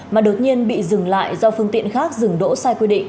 mà được nhiên bị dừng lại do phương tiện khác dừng đỗ sai quy định